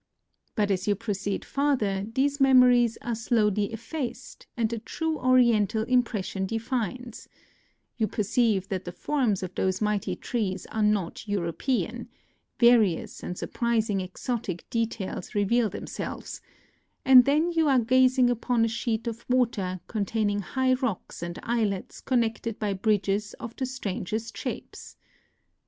But as you proceed farther these memories are slowly effaced, and the true Oriental impression defines : you perceive that the forms of those mighty trees are not European; various and surprising exotic de tails reveal themselves; and then you are gazing down upon a sheet of water contain ing high rocks and islets connected by bridges of the strangest shapes.